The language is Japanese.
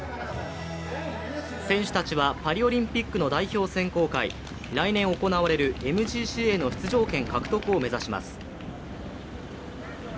選手たちはパリオリンピックの代表選考会来年行われるＭＧＣへの出場権獲得を目指します。